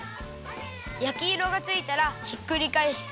やきいろがついたらひっくりかえして。